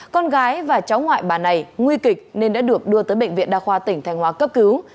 con gái và cháu ngoại bà này nguy kịch nên đã được đưa tới bệnh viện đa khoa tỉnh thanh hóa cấp cứu